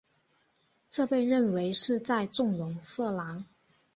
这被认为是在纵容色狼。